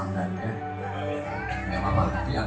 setelah satu sandal ya